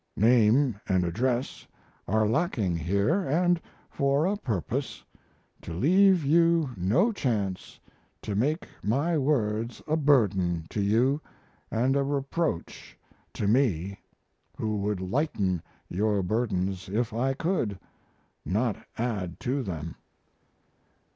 Name & address are lacking here, & for a purpose: to leave you no chance to make my words a burden to you and a reproach to me, who would lighten your burdens if I could, not add to them.